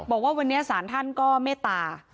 บอกว่าวันนี้ศาลท่านก็เมตตา